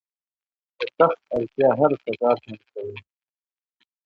د تخت اړتیا هر تضاد حل کوي.